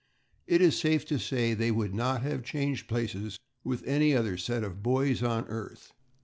It is safe to say that they would not have changed places with any other set of boys on earth.